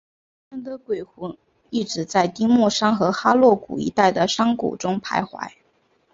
他们的鬼魂一直在丁默山和哈洛谷一带的山谷中徘徊。